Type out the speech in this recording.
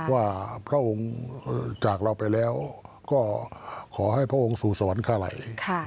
ว่าพระองค์จากเราไปแล้วก็ขอให้พระองค์สู่ศรค่าไหล่